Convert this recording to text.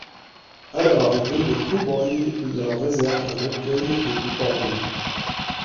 À leur arrivée, les cowboys leur réservent un accueil des plus cordiaux.